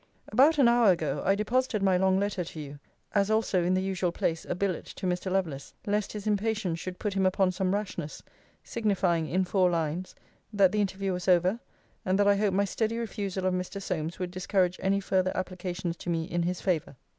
About an hour ago, I deposited my long letter to you; as also, in the usual place, a billet to Mr. Lovelace, lest his impatience should put him upon some rashness; signifying, in four lines, 'That the interview was over; and that I hoped my steady refusal of Mr. Solmes would discourage any further applications to me in his favour.'